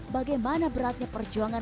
bagaimana beratnya perjuangan